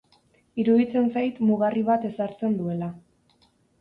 Iruditzen zait mugarri bat ezartzen duela.